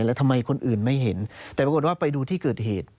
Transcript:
แล้วทำไมคนอื่นไม่เห็นแต่ปรากฏว่าไปดูที่เกิดเหตุ